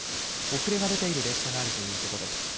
遅れが出ている列車があるということです。